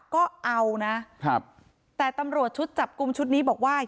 ก็เอานะครับแต่ตำรวจชุดจับกลุ่มชุดนี้บอกว่า